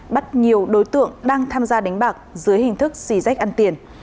bắt nhiều đối tượng đang tham gia đánh bạc dưới hình thức xì rách ăn tiền